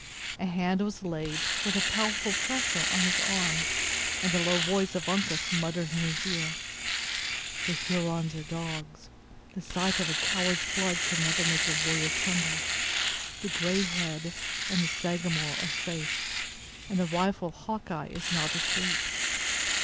A hand was laid, with a powerful pressure, on his arm, and the low voice of Uncas muttered in his ear: "The Hurons are dogs. The sight of a coward's blood can never make a warrior tremble. The 'Gray Head' and the Sagamore are safe, and the rifle of Hawkeye is not asleep.